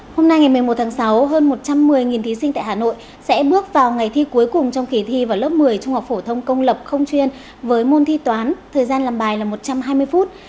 hôm nay ngày một mươi một tháng sáu hơn một trăm một mươi thí sinh tại hà nội sẽ bước vào ngày thi cuối cùng trong kỳ thi vào lớp một mươi trung học phổ thông công lập không chuyên với môn thi toán thời gian làm bài là một trăm hai mươi phút